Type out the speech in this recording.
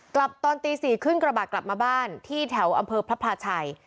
ตอนตี๔ขึ้นกระบะกลับมาบ้านที่แถวอำเภอพระพลาชัย